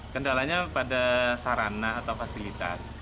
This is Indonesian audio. kendalanya pada sarana atau fasilitas